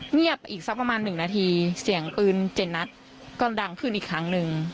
เงียบอีกสักประมาณ๑นาทีเสียงปืน๗นัดก็ดังขึ้นอีกครั้งหนึ่ง